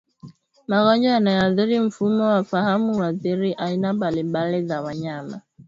Magonjwa yanayoathiri mfumo wa fahamu huathiri aina mbalimbali za wanyama